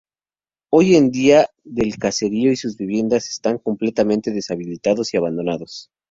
Hoy en día el caserío y sus viviendas están completamente deshabitados y abandonados.